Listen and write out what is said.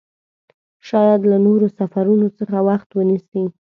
شاید له نورو سفرونو څخه وخت ونیسي.